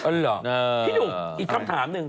เหรอพี่หนุ่มอีกคำถามหนึ่ง